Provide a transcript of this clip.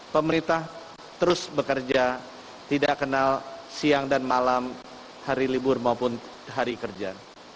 pemerintah terus bekerja tidak kenal siang dan malam hari libur maupun hari kerja